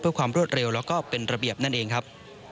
เพื่อความรวดเร็วแล้วก็เป็นระเบียบนั่นเองครับ